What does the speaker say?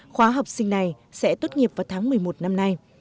khóa học sinh này sẽ tốt nghiệp vào tháng một mươi một năm nay